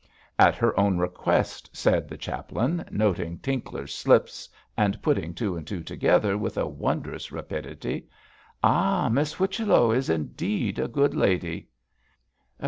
'At her own request,' said the chaplain, noting Tinkler's slips and putting two and two together with wondrous rapidity. 'Ah, Miss Whichello is indeed a good lady.'